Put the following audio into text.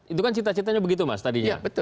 itu kan cita citanya begitu mas tadinya